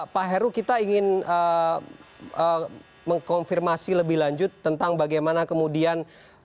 pak heru kita ingin mengkonfirmasi lebih lanjut tentang bagaimana kemudian